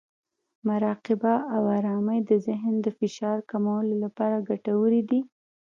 مراقبه او ارامۍ د ذهن د فشار کمولو لپاره ګټورې دي.